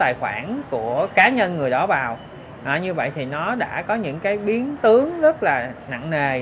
cái thông tin của cá nhân người đó vào như vậy thì nó đã có những biến tướng rất là nặng nề